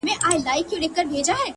صبر د وخت له ازموینې ځواک جوړوي